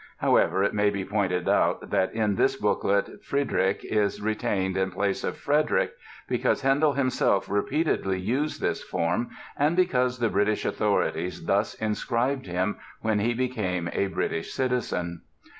However, it may be pointed out that in this booklet "Frideric" is retained in place of "Frederick" because Handel himself repeatedly used this form and because the British authorities thus inscribed him when he became a British citizen.